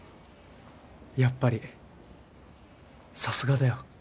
やっぱりさすがだよ。